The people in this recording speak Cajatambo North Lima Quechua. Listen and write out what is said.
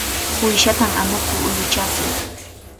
Uyshatam amuku uyuyachin.